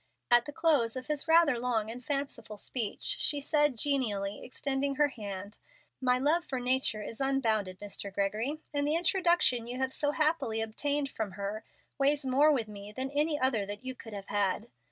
At the close of his rather long and fanciful speech she said, genially, extending her hand: "My love for Nature is unbounded, Mr. Gregory, and the introduction you have so happily obtained from her weighs more with me than any other that you could have had.